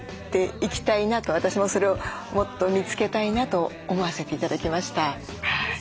私もそれをもっと見つけたいなと思わせて頂きました。